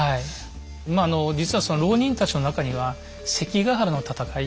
まあ実はその牢人たちの中には関ヶ原の戦い